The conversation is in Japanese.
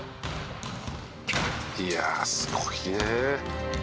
「いやすごいね」